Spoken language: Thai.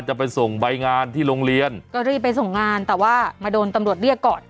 จะไปส่งใบงานที่โรงเรียนก็รีบไปส่งงานแต่ว่ามาโดนตำรวจเรียกก่อน